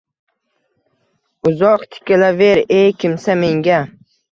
Uzoq tikilaver ey kimsa menga